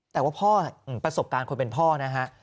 แต่ว่าพ่อประสบการณ์คนเป็นพ่อนะฮะ